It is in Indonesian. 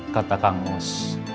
kata kang mus